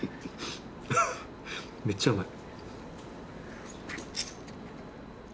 めっちゃうまい。